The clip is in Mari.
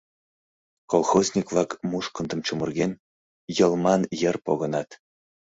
Колхозник-влак, мушкындым чумырген, йылман йыр погынат.